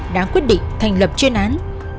đã quyết định thành lập chuyên án